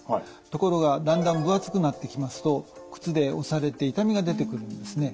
ところがだんだん分厚くなってきますと靴で押されて痛みが出てくるんですね。